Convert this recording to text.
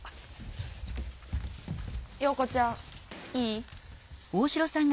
桜子ちゃんいい？